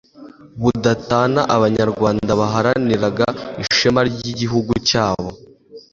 budatana Abanyarwanda baharaniraga ishema ry Igihugu cyabo